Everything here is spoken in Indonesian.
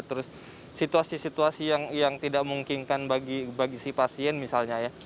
terus situasi situasi yang tidak memungkinkan bagi si pasien misalnya ya